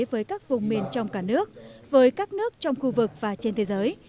với các vùng miền trong cả nước với các nước trong khu vực và trên thế giới